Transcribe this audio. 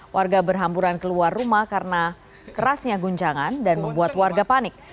warga berhamburan keluar rumah karena kerasnya guncangan dan membuat warga panik